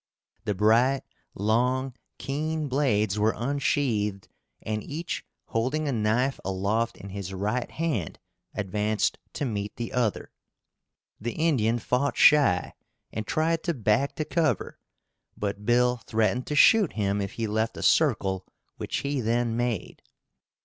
The bright, long, keen blades were unsheathed, and each holding a knife aloft in his right hand advanced to meet the other. The Indian fought shy and tried to back to cover, but Bill threatened to shoot him if he left a circle which he then made.